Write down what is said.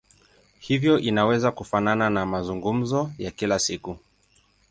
Hivyo inaweza kufanana na mazungumzo ya kila siku.